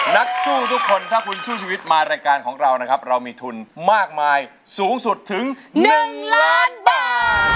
นักสู้ทุกคนถ้าคุณสู้ชีวิตมารายการของเรานะครับเรามีทุนมากมายสูงสุดถึง๑ล้านบาท